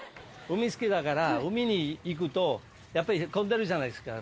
海好きだから海に行くとやっぱり混んでるじゃないですか。